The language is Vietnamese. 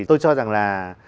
tôi cho rằng là